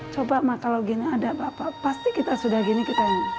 coba kalau gini ada bapak pasti kita sudah gini kita yang